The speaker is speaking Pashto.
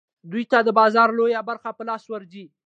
دوی ته د بازار لویه برخه په لاس ورځي